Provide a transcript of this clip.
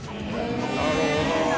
なるほど。